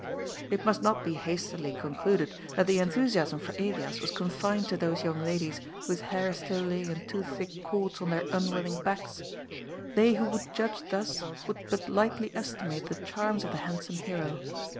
It must not be hastily concluded that the enthusiasm for Elias was confined to those young ladies whose hair still lay in two thick cords on Iheir unwilling backs. They who would judge thus would but lightly estimate the charms of the handsome hero.